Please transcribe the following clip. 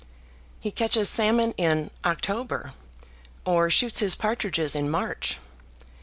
He catches salmon in October; or shoots his partridges in March.